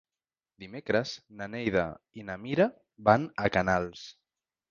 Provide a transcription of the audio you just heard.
Dimecres na Neida i na Mira van a Canals.